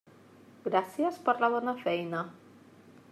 Gràcies per la bona feina.